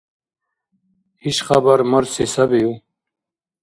Иш хабар марси сабив?